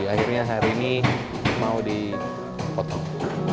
akhirnya hari ini mau dipotong